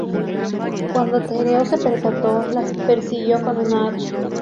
Cuando Tereo se percató, las persiguió con un hacha.